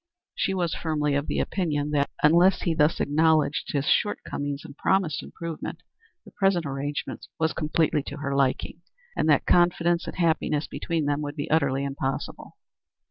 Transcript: She was firmly of the opinion that, unless he thus acknowledged his shortcomings and promised improvement, the present arrangement was completely to her liking, and that confidence and happiness between them would be utterly impossible.